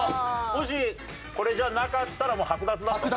もしこれじゃなかったらもう剥奪だと？